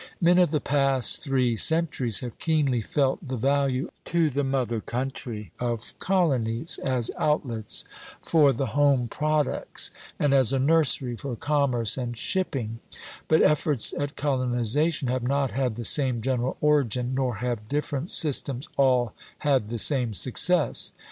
Men of the past three centuries have keenly felt the value to the mother country of colonies as outlets for the home products and as a nursery for commerce and shipping; but efforts at colonization have not had the same general origin, nor have different systems all had the same success.